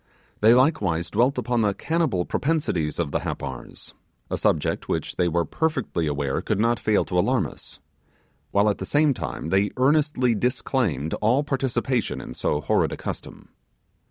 They likewise dwelt upon the cannibal propensities of the Happars, a subject which they were perfectly aware could not fail to alarm us; while at the same time they earnestly disclaimed all participation in so horrid a custom.